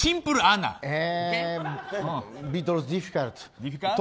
ビートルズディフィカルト。